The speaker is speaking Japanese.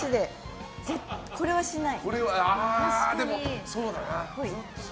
これはしない。